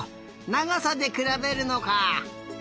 ながさでくらべるのか。